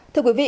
thưa quý vị